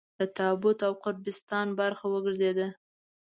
د تابوت او قبرستان برخه وګرځېده.